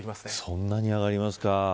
そんなに上がりますか。